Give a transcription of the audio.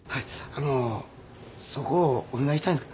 あのうそこをお願いしたいんです。